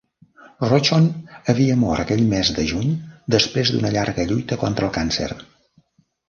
Rochon havia mort aquell mes de juny després d'una llarga lluita contra el càncer.